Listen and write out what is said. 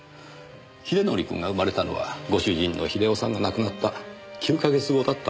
英則くんが生まれたのはご主人の英雄さんが亡くなった９か月後だったんですね。